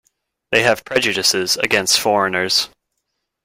They have prejudices against foreigners.